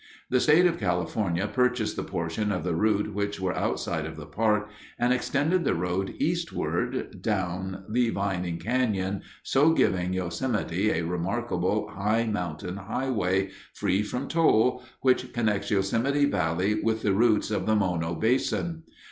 The state of California purchased the portions of the route which were outside of the park and extended the road eastward, down Leevining Canyon, so giving Yosemite a remarkable high mountain highway, free from toll, which connects Yosemite Valley with the routes of the Mono basin.